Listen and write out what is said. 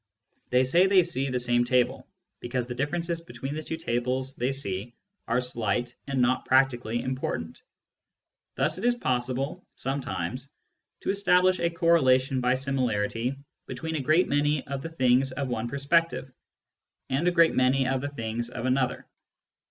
They say they see the same table, because the differences between the two tables they see are slight and not practically important. Thus it is possible, sometimes, to establish a correlation by similarity between a great many of the things of one perspective, and a great many of the things of another.